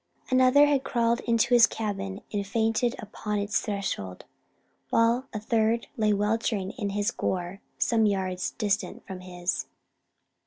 Another had crawled to his cabin and fainted upon its threshold; while a third lay weltering in his gore some yards distant from his.